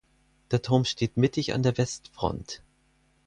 Der Turm steht mittig an der Westfront.